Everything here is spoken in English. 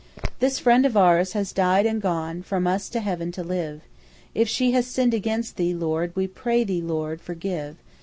"This friend of ours has died and gone From us to heaven to live. If she has sinned against Thee, Lord, We pray Thee, Lord, forgive.